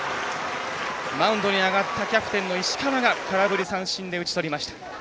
マウンドに上がったキャプテンの石川が空振り三振で打ちとりました。